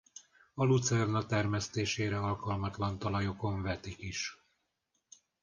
A lucerna termesztésére alkalmatlan talajokon vetik is.